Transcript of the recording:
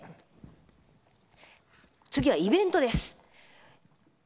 次はイベントです。